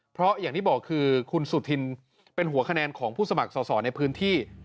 เพราะอย่างที่บอกคือคุณสุธินเป็นหัวคะแนนของผู้สมัครสอสอในพื้นที่